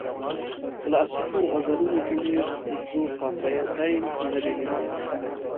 کلاسیکو غزلونو کې مې ذوقافیتین نه دی لیدلی.